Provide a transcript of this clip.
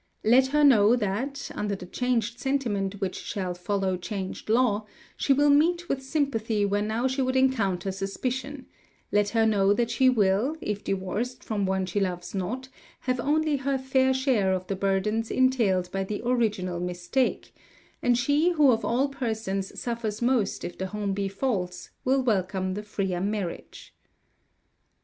Let her know that, under the changed sentiment which shall follow changed law, she will meet with sympathy where now she would encounter suspicion; let her know that she will, if divorced from one she loves not, have only her fair share of the burdens entailed by the original mistake; and she who of all persons suffers most if the home be false will welcome the freer marriage" ("The Earthward Pilgrimage," p. 289).